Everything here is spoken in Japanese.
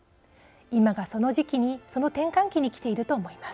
今がその転換期に来ていると思います。